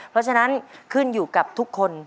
เพราะฉะนั้นขึ้นอยู่กับทุกคน